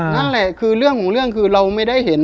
นั่นแหละคือเรื่องของเรื่องคือเราไม่ได้เห็น